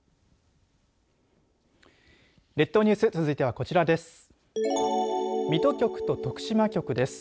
列島ニュース続いてはこちらです。